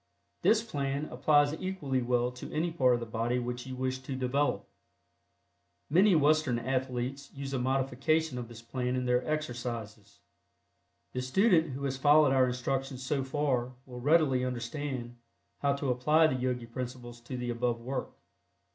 This plan applies equally well to any part of the body which you wish to develop. Many Western athletes use a modification of this plan in their exercises. The student who has followed our instructions so far will readily understand haw to apply the Yogi principles in the above work.